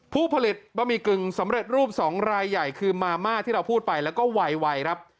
ผู้ผลิตบะหมี่กึ่งสำเร็จรูป๒รายใหญ่คือมาม่าที่เราพูดไปแล้วก็ไวครับ